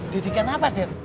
didikan apa jud